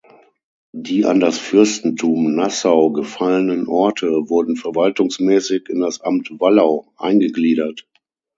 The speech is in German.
Die an das Fürstentum Nassau gefallenen Orte wurden verwaltungsmäßig in das Amt Wallau eingegliedert.